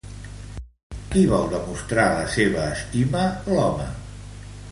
A qui vol demostrar la seva estima l'home?